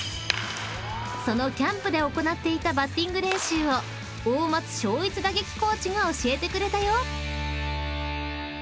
［そのキャンプで行っていたバッティング練習を大松尚逸打撃コーチが教えてくれたよ］